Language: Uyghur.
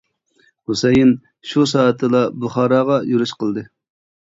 ھۈسەيىن شۇ سائەتتىلا بۇخاراغا يۈرۈش قىلدى.